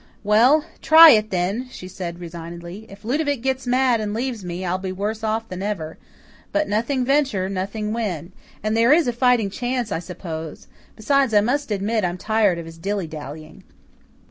"Well, try it, then," she said, resignedly. "If Ludovic gets mad and leaves me, I'll be worse off than ever. But nothing venture, nothing win. And there is a fighting chance, I suppose. Besides, I must admit I'm tired of his dilly dallying."